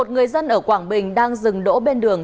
một mươi một người dân ở quảng bình đang dừng đỗ bên đường